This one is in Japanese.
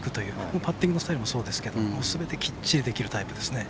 パッティングスタイルもそうですけどすべてきっちりできるタイプですね。